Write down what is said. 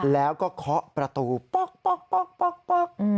แล้วก็เคาะประตูป๊อก